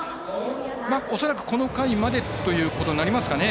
恐らくこの回までということになりますかね。